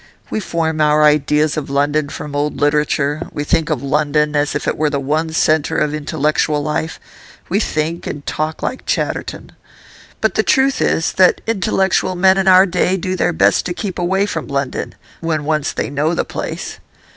We form our ideas of London from old literature; we think of London as if it were still the one centre of intellectual life; we think and talk like Chatterton. But the truth is that intellectual men in our day do their best to keep away from London when once they know the place.